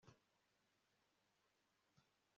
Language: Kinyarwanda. ntacyo navuga kuri iki kibazo